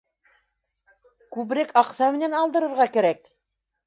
Күберәк аҡса менән алдырырға кәрәк.